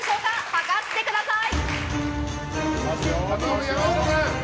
量ってください。